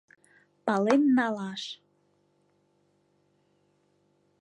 Пален налаш.